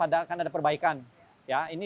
akan ada perbaikan ya